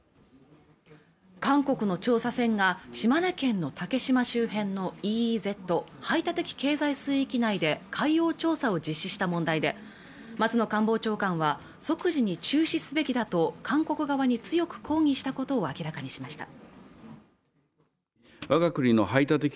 韓国の調査船が島根県の竹島周辺のＥＥＺ＝排他的経済水域内で海洋調査を実施した問題で松野官房長官は即時に中止すべきだと韓国側に強く抗議したことを明らかにしました